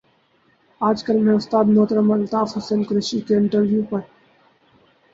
آج کل میں استاد محترم الطاف حسن قریشی کے انٹرویوز پر